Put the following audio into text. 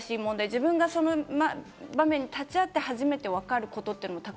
自分がその場面に立ち会って、初めてわかることっていうのもた